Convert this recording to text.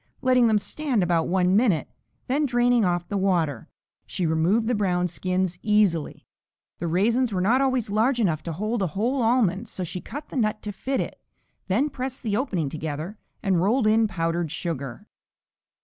Letting them stand about a minute, then draining off the water, she removed the brown skins easily. The raisins were not always large enough to hold a whole almond so she cut the nut to fit it, then pressed the opening together and rolled in powdered sugar.